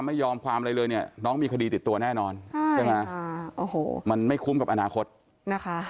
สมัยผมยังไม่มีขนาดนี้อ่ะสิ